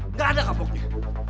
nggak ada kapoknya